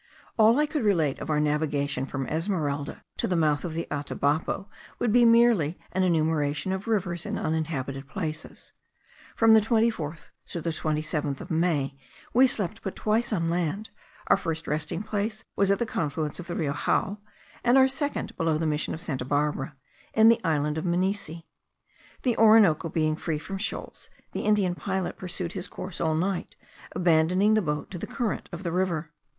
All I could relate of our navigation from Esmeralda to the mouth of the Atabapo would be merely an enumeration of rivers and uninhabited places. From the 24th to the 27th of May, we slept but twice on land; our first resting place was at the confluence of the Rio Jao, and our second below the mission of Santa Barbara, in the island of Minisi. The Orinoco being free from shoals, the Indian pilot pursued his course all night, abandoning the boat to the current of the river.